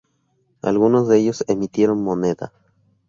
Algunos de ellos emitieron moneda.